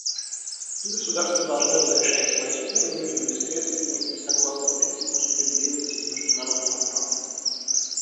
Государства должны разрешать свои споры мирными средствами и согласно принципам справедливости и международного права.